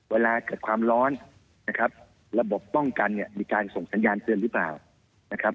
เวลาเกิดความร้อนระบบป้องกันมีการส่งสัญญาณเกินหรือเปล่า